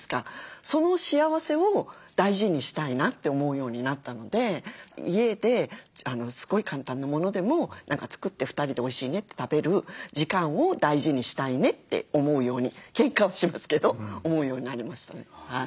その幸せを大事にしたいなって思うようになったので家ですごい簡単なものでも作って２人でおいしいねって食べる時間を大事にしたいねって思うようにけんかはしますけど思うようになりましたね。